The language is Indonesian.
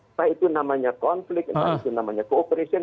entah itu namanya konflik entah itu namanya cooperation